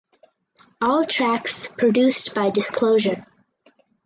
All tracks produced by Disclosure.